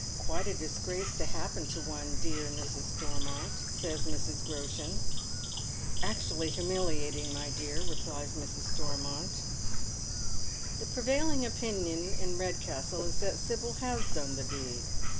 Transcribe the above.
Quite a disgrace to happen to one, dear Mrs. Stormont," says Mrs. Groshen. "Actually humiliating, my dear," replies Mrs. Stormont. The prevailing opinion in Redcastle is that Sibyl has done the deed.